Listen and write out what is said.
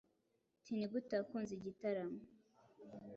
tnigute wakunze igitaramo?